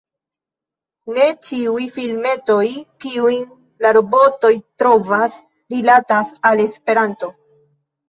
Ne ĉiuj filmetoj, kiujn la robotoj trovas, rilatas al Esperanto.